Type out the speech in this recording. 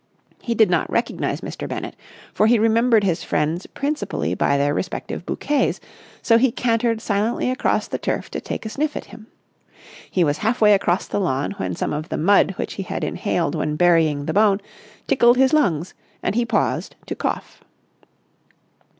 He did not recognise Mr. Bennett, for he remembered his friends principally by their respective bouquets, so he cantered silently across the turf to take a sniff at him. He was half way across the lawn when some of the mud which he had inhaled when burying the bone tickled his lungs and he paused to cough.